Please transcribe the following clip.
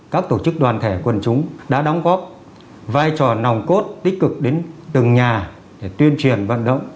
các tổ chức đoàn thể quần chúng đã đóng góp vai trò nòng cốt tích cực đến từng nhà để tuyên truyền vận động